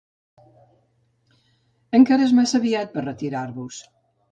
Era encara massa aviat per retirar-los.